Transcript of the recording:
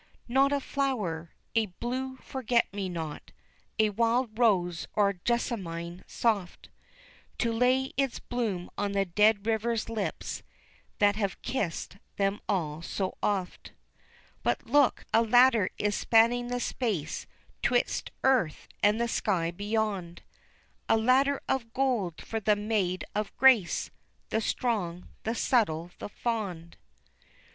Not a flower, a blue forget me not, a wild rose or jessamine soft, To lay its bloom on the dead river's lips, that have kissed them all so oft, But look, a ladder is spanning the space twixt earth and the sky beyond, A ladder of gold for the Maid of Grace the strong, the subtle, the fond!